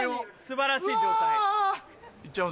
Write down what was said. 素晴らしい状態。